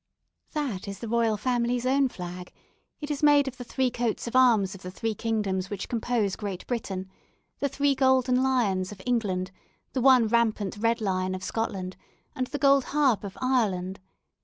"That is the Royal Family's own flag. It is made of the three coat of arms of the three kingdoms which compose Great Britain, the three golden lions of England, the one rampant red lion of Scotland, and the gold harp of Ireland.